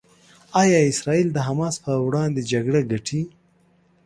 ایا اسرائیل د حماس پر وړاندې جګړه ګټي؟